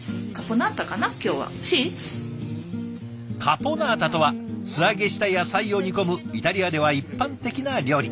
カポナータとは素揚げした野菜を煮込むイタリアでは一般的な料理。